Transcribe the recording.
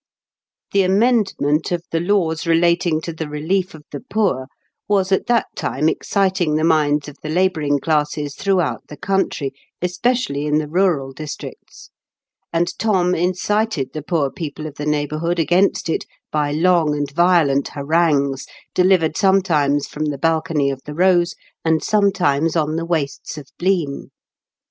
The amendment of the laws relating to the relief of the poor was at that time exciting the minds of the labouring classes throughout the country, especially in the rural districts ; and Thom incited the poor people of the neighbour hood against it by long and violent harangues, delivered sometimes from the balcony of The Rose, and sometimes on the wastes of Blean.